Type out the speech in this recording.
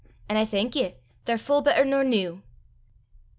an' I thank ye: they're full better nor new."